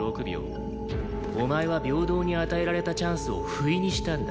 お前は平等に与えられたチャンスをふいにしたんだ。